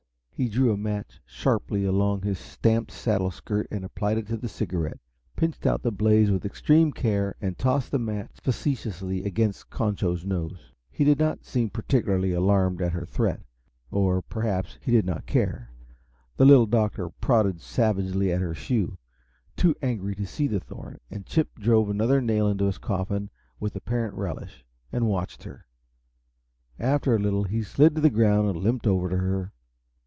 He drew a match sharply along his stamped saddle skirt and applied it to the cigarette, pinched out the blaze with extreme care, and tossed the match end facetiously against Concho's nose. He did not seem particularly alarmed at her threat or, perhaps, he did not care. The Little Doctor prodded savagely at her shoe, too angry to see the thorn, and Chip drove another nail into his coffin with apparent relish, and watched her. After a little, he slid to the ground and limped over to her.